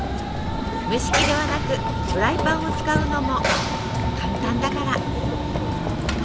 蒸し器ではなくフライパンを使うのも簡単だから。